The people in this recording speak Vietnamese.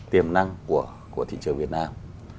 tiềm năng của thị trường việt nam